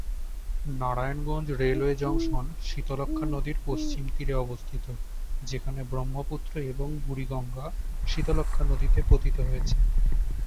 Narayanganj railway junction Shitalakshya নদীর পশ্চিম তীরে অবস্থিত, যেখানে ব্রহ্মপুত্র এবং বুড়িগঙ্গা শীতলক্ষ্যা নদীতে পতিত হয়েছে।